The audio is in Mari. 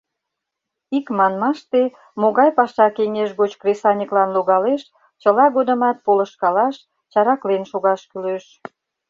Икманмаште, могай паша кеҥеж гоч кресаньыклан логалеш, чыла годымат полышкалаш, чараклен шогаш кӱлеш.